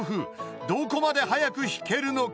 ［どこまで速く弾けるのか］